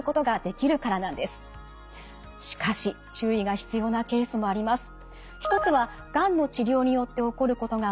しかし注意が必要なケースもあります。